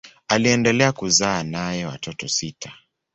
Aliendelea kuzaa naye watoto sita.